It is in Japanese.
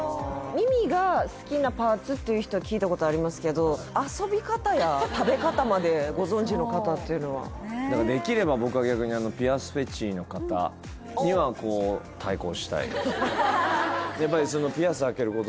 耳が好きなパーツっていう人は聞いたことありますけど遊び方や食べ方までご存じの方っていうのはだからできれば僕は逆にやっぱりあそうなんですね